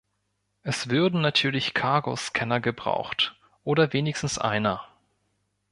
Es würden natürlich Cargo-Scanner gebraucht, oder wenigstens einer.